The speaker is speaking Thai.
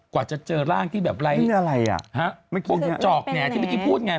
กว่าจะเจอร่างที่แบบไรฮะพวกนี้จอกแหน่ที่เมื่อกี้พูดไง